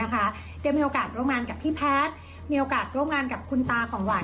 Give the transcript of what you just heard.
ได้มีโอกาสร่วมงานกับพี่แพทย์มีโอกาสร่วมงานกับคุณตาของหวาน